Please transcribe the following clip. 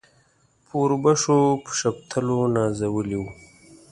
په اوربشو په شفتلو نازولي وو.